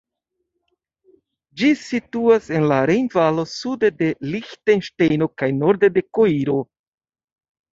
Ĝi situas en la Rejnvalo sude de Liĥtenŝtejno kaj norde de Koiro.